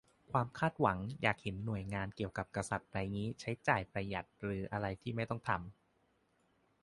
ความคาดหวังอยากเห็นหน่วยงานเกี่ยวกับกษัตริย์ไรงี้ใช้จ่ายอย่างประหยัด หรืออะไรที่ไม่ต้องทำ